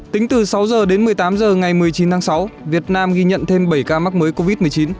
tính từ sáu h đến một mươi tám h ngày một mươi chín tháng sáu việt nam ghi nhận thêm bảy ca mắc mới covid một mươi chín